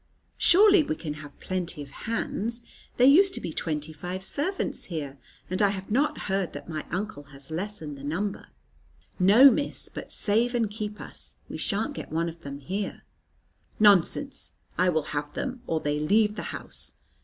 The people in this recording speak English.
"Surely we can have plenty of hands. There used to be twenty five servants here; and I have not heard that my uncle has lessened the number." "No, Miss; but save and keep us, we shan't get one of them here." "Nonsense! I will have them, or they leave the house.